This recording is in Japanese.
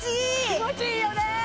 気持ちいいよね